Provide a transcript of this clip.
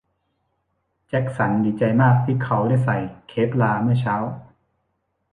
แจ็คสันดีใจมากที่เขาได้ใส่เคฟลาร์เมื่อเช้า